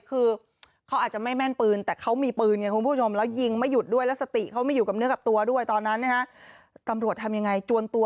คือเขาอาจจะไม่แม่นปืนแต่เขามีปืนเนี่ยคงพูดว่า